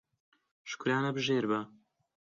شوکرانەبژێر بە